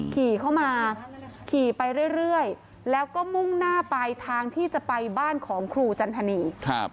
ขี่เข้ามาขี่ไปเรื่อยแล้วก็มุ่งหน้าไปทางที่จะไปบ้านของครูจันทนี